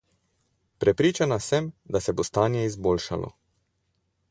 Prepričana sem, da se bo stanje izboljšalo.